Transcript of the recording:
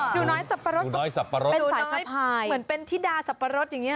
หนูน้อยสับปะรสเหมือนเป็นทิดาสับปะรสอย่างนี้